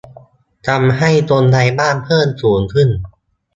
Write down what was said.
ทำให้ "คนไร้บ้าน" เพิ่มสูงขึ้น